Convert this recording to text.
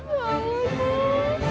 ya allah mas